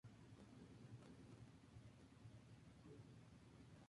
Combina su labor investigadora y docente con la divulgación científica.